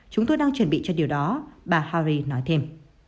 chúng tôi đang chuẩn bị cho điều đó bà hari nói thêm